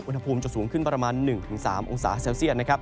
อุณหภูมิจะสูงขึ้นประมาณ๑๓องศาเซลเซียตนะครับ